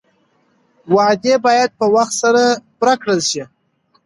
وعدې باید په وخت سره پوره کړل شي.